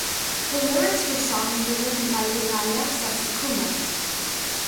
The lyrics for songs were written by Vinayak Sasikumar.